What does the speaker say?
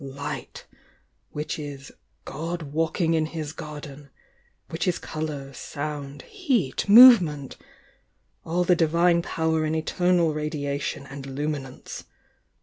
Light!— which is 'God walking in His garden,'— which is colour, sound, heat, movement— all the Divine Power in eternal ra diation and luminance!